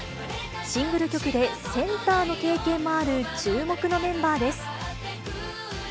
シングル曲でセンターの経験もある注目のメンバーです。